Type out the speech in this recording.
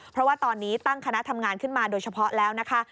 เพราะว่าตอนนี้ตั้งคณะทำงานขึ้นมาโดยเฉพาะแล้วนะคะ